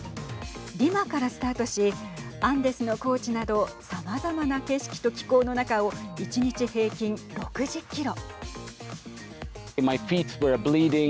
リマからスタートしアンデスの高地などさまざまな景色と気候の中を１日平均６０キロ。